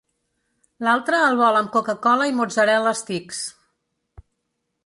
L'altre el vol amb coca-cola i mozzarella sticks.